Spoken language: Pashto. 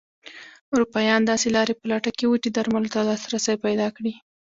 اروپایان داسې لارې په لټه کې وو چې درملو ته لاسرسی پیدا کړي.